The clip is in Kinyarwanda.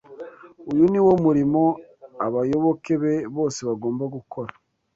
Uyu ni wo murimo abayoboke be bose bagomba gukora